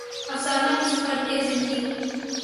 افسانہ کسی فرد کے زندگی